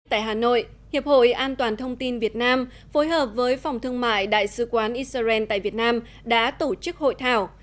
tại hà nội hiệp hội an toàn thông tin việt nam phối hợp với phòng thương mại đại sứ quán israel tại việt nam đã tổ chức hội thảo